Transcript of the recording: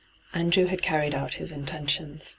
Andrew had carried out his intentions.